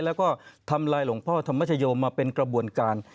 แล้วก็ทำลายหลวงพ่อธรรมชโยมมาเป็นกระบวนการ